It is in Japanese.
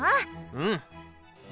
うん。